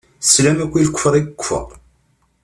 Teslam akk i lekfeṛ i yekfeṛ.